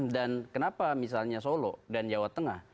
dan kenapa misalnya solo dan jawa tengah